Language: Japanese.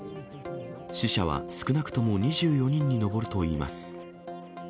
死者は少なくとも２４人に上るといいます。